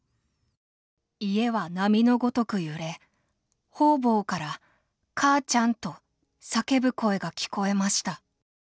家は波のごとく揺れ、方々から母ちゃんと叫ぶ声が聞こえました。